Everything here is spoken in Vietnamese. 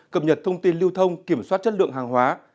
cập nhật thông tin lưu thông kiểm soát chất lượng hàng hóa